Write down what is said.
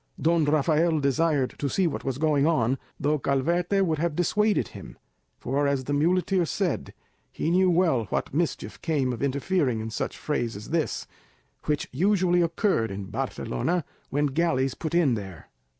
Don Rafael desired to see what was going on, though Calvete would have dissuaded him; for, as the muleteer said, he knew well what mischief came of interfering in such frays as this, which usually occurred in Barcelona when galleys put in there.